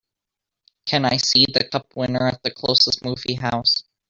Can I see The Cup Winner at the closest movie house